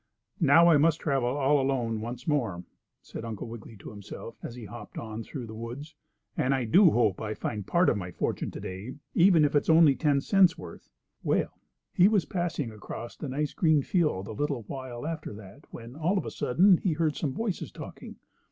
"Now I must travel all alone once more," said Uncle Wiggily to himself, as he hopped on through the woods. "And I do hope I find part of my fortune to day, even if it's only ten cents' worth." Well, he was passing across a nice green field a little while after that when, all of a sudden, he heard some voices talking.